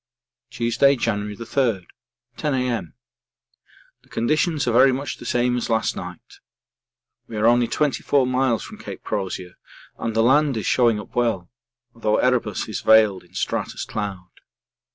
Tuesday, January 3, 10 A.M. The conditions are very much the same as last night. We are only 24 miles from C. Crozier and the land is showing up well, though Erebus is veiled in stratus cloud.